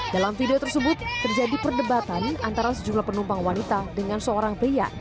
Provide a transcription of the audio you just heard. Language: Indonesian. dalam video tersebut terjadi perdebatan antara sejumlah penumpang wanita dengan seorang pria